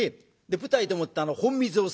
舞台でもって本水を使う。